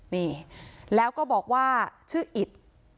นี่แล้วก็บอกว่าชื่ออิต